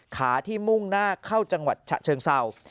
ขาที่มุ่งหน้าเข้าจังหวัดฉะเชิงเศร้า